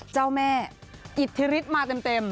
เจ้าแม่อิทธิฤทธิ์มาเต็ม